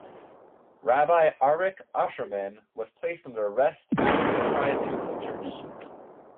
Rabbi Arik Ascherman was placed under arrest after he tried to intervene.